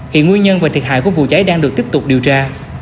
hiện nguyên nhân và thiệt hại của vụ cháy đang được tiếp tục điều tra